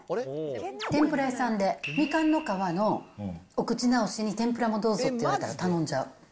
天ぷら屋さんでみかんの皮のお口直しに、天ぷらもどうぞって言われたら、頼んじゃう。